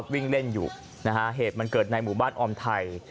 วิ่งเล่นอยู่นะฮะเหตุมันเกิดในหมู่บ้านออมไทย